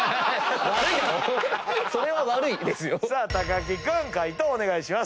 木君解答お願いします。